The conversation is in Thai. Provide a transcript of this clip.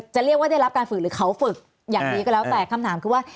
จะเรียกว่าได้รับการฝึกหรือเขาฝึกอย่างดีก็แล้วแต่คำถามคือว่า